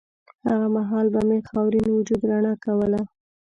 هغه مهال به مې خاورین وجود رڼا کوله